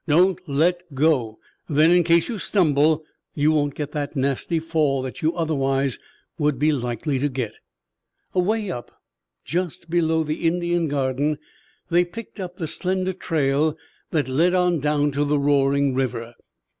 Don't let go. Then, in case you stumble, you won't get the nasty fall that you otherwise would be likely to get." Away up, just below the Indian Garden, they picked up the slender trail that led on down to the roaring river.